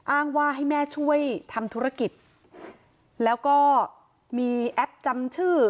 อ้างว่าให้แม่ช่วยทำธุรกิจแล้วก็มีแอปจำชื่อ